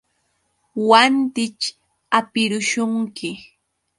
Wantićh hapirushunki.